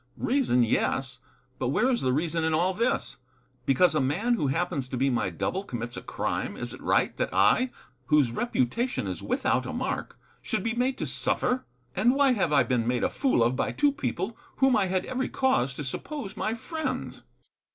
"Reason, yes. But where is the reason in all this? Because a man who happens to be my double commits a crime, is it right that I, whose reputation is without a mark, should be made to suffer? And why have I been made a fool of by two people whom I had every cause to suppose my friends?"